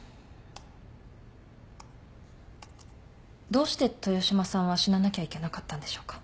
どうして豊島さんは死ななきゃいけなかったんでしょうか。